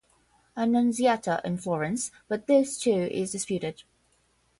Annunziata in Florence, but this too is disputed.